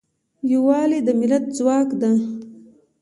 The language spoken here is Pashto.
یوالی د ملت ځواک دی.